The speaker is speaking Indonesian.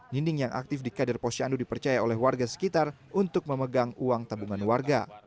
ninding yang aktif di kader posyandu dipercaya oleh warga sekitar untuk memegang uang tabungan warga